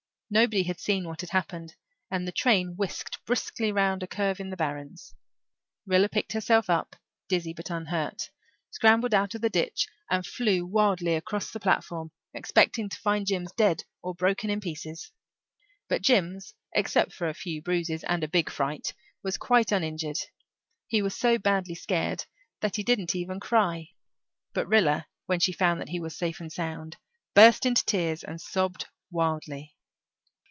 Nobody had seen what had happened and the train whisked briskly away round a curve in the barrens. Rilla picked herself up, dizzy but unhurt, scrambled out of the ditch, and flew wildly across the platform, expecting to find Jims dead or broken in pieces. But Jims, except for a few bruises, and a big fright, was quite uninjured. He was so badly scared that he didn't even cry, but Rilla, when she found that he was safe and sound, burst into tears and sobbed wildly.